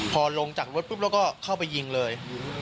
พอลงจากรถปุ๊บแล้วก็เข้าไปยิงเลย